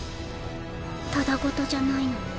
ただごとじゃないの。